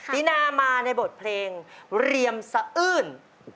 ตินามาในบทเพลงเรียมสะอื้น